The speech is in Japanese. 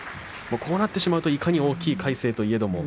こうなってしまうといかに大きい魁聖といえども。